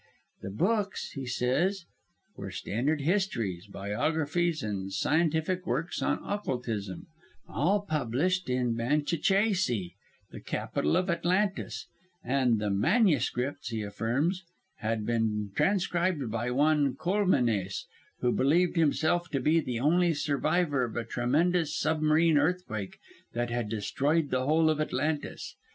The books, he says, were standard histories, biographies, and scientific works on occultism all published in Banchicheisi, the capital of Atlantis and the manuscripts, he affirms, had been transcribed by one Coulmenes, who believed himself to be the only survivor of a tremendous submarine earthquake that had destroyed the whole of Atlantis.